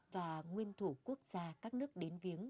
và nguyên thủ quốc gia các nước đến viếng